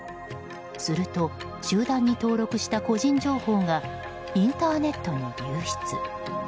すると集団に登録した個人情報がインターネットに流出。